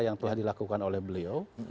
yang telah dilakukan oleh beliau